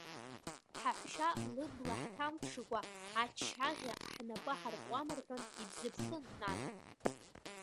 Ҳаҳәшьа лыбла ҳҭамԥшыкәа ачаӷьа ҳнапы аҳаркуам, рҳәан, ибзыԥшын, нан.